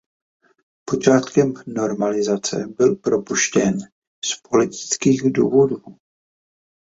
Počátkem normalizace byl propuštěn z politických důvodů.